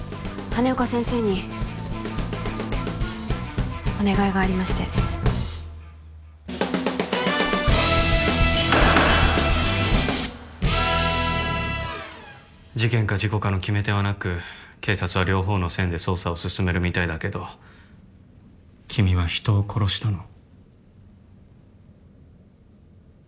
羽根岡先生にお願いがありまして事件か事故かの決め手はなく警察は両方の線で捜査を進めるみたいだけど君は人を殺したの？